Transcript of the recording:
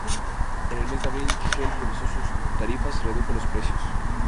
En el mes de abril, Shell revisó sus tarifas y redujo los precios.